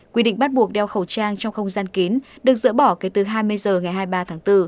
quy định bắt buộc đeo khẩu trang trong không gian kín được dỡ bỏ kể từ hai mươi h ngày hai mươi ba tháng bốn